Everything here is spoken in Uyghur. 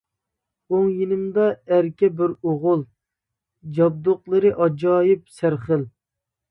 ئوڭ يېنىدا ئەركە بىر ئوغۇل، جابدۇقلىرى ئاجايىپ سەر خىل.